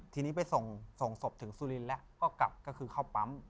ทีนี้ไปส่งศพถึงสุรินทร์แล้วก็กลับก็คือเข้าปั๊ม